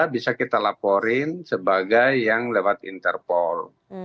bisa kita laporin sebagai yang lewat interpol